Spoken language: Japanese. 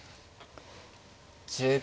１０秒。